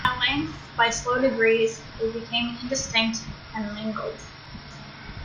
At length, by slow degrees, they became indistinct and mingled.